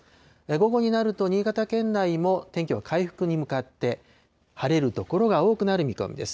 午後になると、新潟県内も天気は回復に向かって、晴れる所が多くなる見込みです。